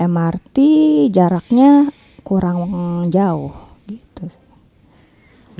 mrt jaraknya kurang jauh gitu